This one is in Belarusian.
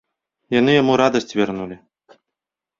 Яны яму радасць вярнулі.